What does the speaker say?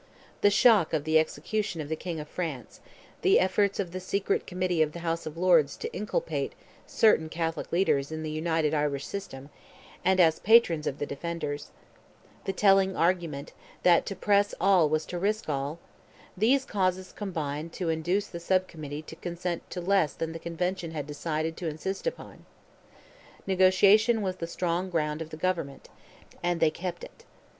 The shock of the execution of the King of France; the efforts of the secret committee of the House of Lords to inculpate certain Catholic leaders in the United Irish system, and as patrons of the Defenders; the telling argument, that to press all was to risk all,—these causes combined to induce the sub committee to consent to less than the Convention had decided to insist upon. Negotiation was the strong ground of the government, and they kept it.